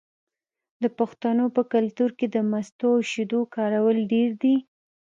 د پښتنو په کلتور کې د مستو او شیدو کارول ډیر دي.